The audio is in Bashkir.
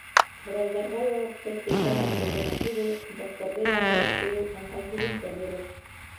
Һорауҙарға яуапты телдән әйтеү генә түгел, дәфтәргә яҙҙырып ҡуйыу ыңғай һөҙөмтә бирер.